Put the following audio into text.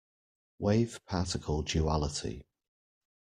Wave-particle duality.